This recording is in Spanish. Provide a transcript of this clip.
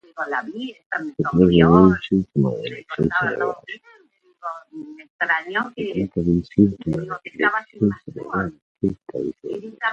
Se trata de un síntoma de lesiones cerebrales.